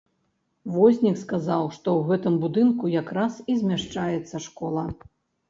Вознік сказаў, што ў гэтым будынку якраз і змяшчаецца школа.